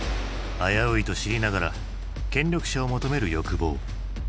危ういと知りながら権力者を求める欲望。